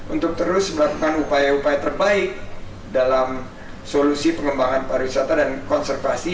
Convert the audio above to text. untuk terus melakukan upaya upaya terbaik dalam solusi pengembangan pariwisata dan konservasi